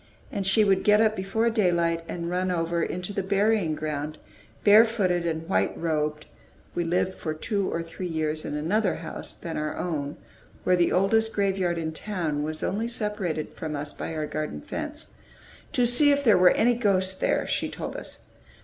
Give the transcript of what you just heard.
And she would get up before daylight and run over into the burying ground, barefooted and white robed (we lived for two or three years in another house than our own, where the oldest graveyard in town was only separated from us by our garden fence), "to see if there were any ghosts there," she told us.